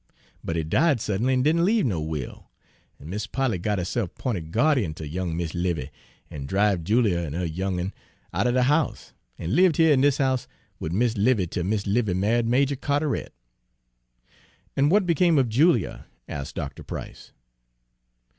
But he died suddenly, and didn' leave no will, an' Mis' Polly got herse'f 'pinted gyardeen ter young Mis' 'Livy, an' driv Julia an' her young un out er de house, an' lived here in dis house wid Mis' 'Livy till Mis' 'Livy ma'ied Majah Carteret." "And what became of Julia?" asked Dr. Price.